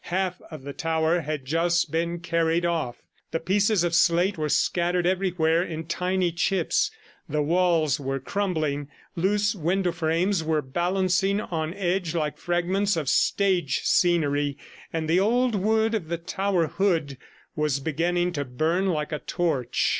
Half of the tower had just been carried off. The pieces of slate were scattered everywhere in tiny chips; the walls were crumbling; loose window frames were balancing on edge like fragments of stage scenery, and the old wood of the tower hood was beginning to burn like a torch.